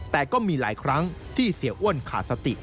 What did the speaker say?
แต่ก็มีหลายครั้งที่เสียอ้วนขาดสติ